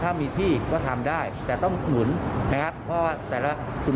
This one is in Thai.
อังกฤษฎาศัพท์ต้องส่งแจ้งบอกด่วน